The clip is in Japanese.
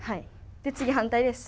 で次反対で３。